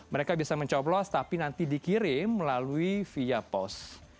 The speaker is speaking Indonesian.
mereka bisa mencoblos tapi nanti dikirim melalui via post